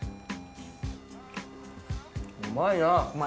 うまいな。